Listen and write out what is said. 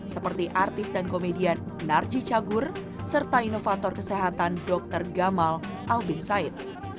seperti artis dan komedian narji cagur serta inovator kesehatan dr gamal albin said